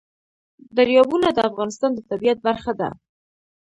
دریابونه د افغانستان د طبیعت برخه ده.